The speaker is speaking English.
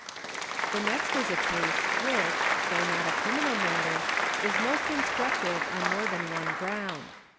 The next is a case which, though not a criminal matter, is most instruc _ tive on more than one ground.